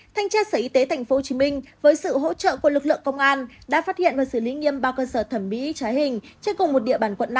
thanh tra sở y tế tp hcm với sự hỗ trợ của lực lượng công an đã phát hiện và xử lý nghiêm ba cơ sở thẩm mỹ trái hình trên cùng một địa bàn quận năm